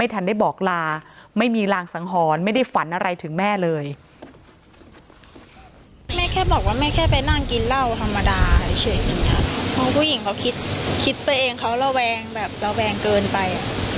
ผู้หญิงเขาคิดไปเองเขาระวังแบบระวังเกินไป